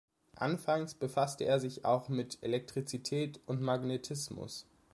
Anfangs befasste er sich auch mit Elektrizität und Magnetismus.